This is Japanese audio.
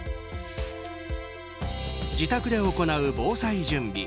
自宅で行う防災準備。